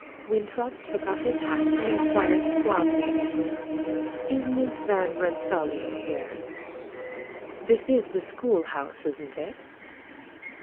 Winthrop took off his hat and inquired suavely: "Is Miss Van Rensselaer here? This is the school house, isn't it?"